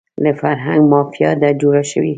له فرهنګه مافیا ده جوړه شوې